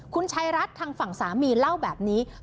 คุณชายรัฐทางฝั่งสามีเล่าแบบนี้